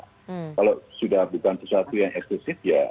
kalau sudah bukan sesuatu yang eksklusif ya